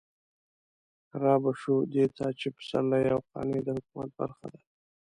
رابه شو دې ته چې پسرلي او قانع د حکومت برخه ده.